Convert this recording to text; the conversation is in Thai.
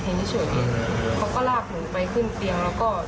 หายใจแล้วก็หายไปไม่ออกแล้วอ่ะค่ะ